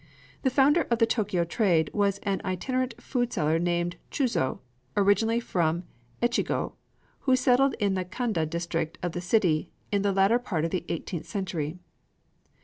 The founder of the Tōkyō trade was an itinerant foodseller named Chūzō, originally from Echigo, who settled in the Kanda district of the city in the latter part of the eighteenth century.